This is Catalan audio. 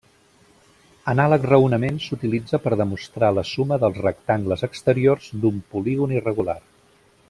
Anàleg raonament s'utilitza per demostrar la suma dels rectangles exteriors d'un polígon irregular.